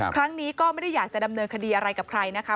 ครั้งนี้ก็ไม่ได้อยากจะดำเนินคดีอะไรกับใครนะคะ